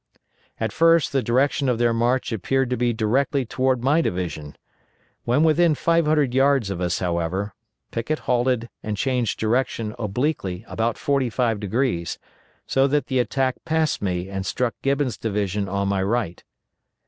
At first the direction of their march appeared to be directly toward my division. When within five hundred yards of us, however, Pickett halted and changed direction obliquely about forty five degrees, so that the attack passed me and struck Gibbon's division on my right.